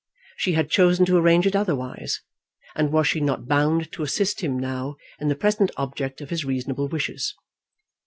She had chosen to arrange it otherwise, and was she not bound to assist him now in the present object of his reasonable wishes?